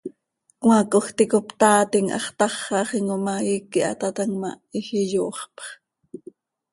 Cmaacoj ticop taaatim, hax táxaxim oo ma, iiqui hataatam ma, hizi yooxpx.